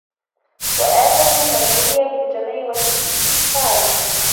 وَآفَةُ مَنْ بُلِيَ بِالْجَمْعِ وَالِاسْتِكْثَارِ